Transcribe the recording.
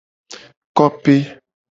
Kope.